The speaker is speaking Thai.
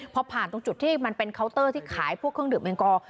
พอผ่านตรงจุดที่มันเป็นเคาน์เตอร์ที่ขายพวกเครื่องดื่มแอลกอ